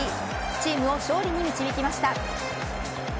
チームを勝利に導きました。